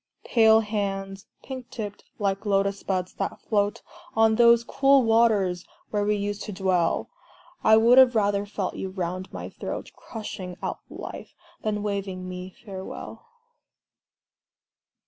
Pale hands, pink tipped, like Lotus buds that float On those cool waters where we used to dwell, I would have rather felt you round my throat, Crushing out life, than waving me farewell!